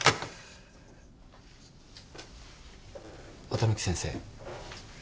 綿貫先生。